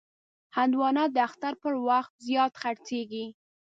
هندوانه د اختر پر وخت زیات خرڅېږي.